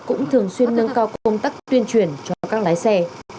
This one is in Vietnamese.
cũng thường xuyên nâng cao công tác tuyên truyền cho các lái xe